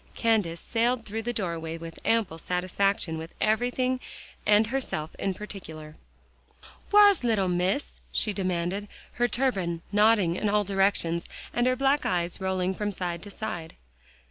Candace sailed through the doorway with ample satisfaction with everything and herself in particular. "Whar's little Miss?" she demanded, her turban nodding in all directions, and her black eyes rolling from side to side.